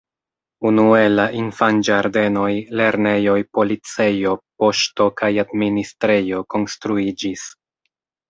Unue la infanĝardenoj, lernejoj, policejo, poŝto kaj administrejo konstruiĝis.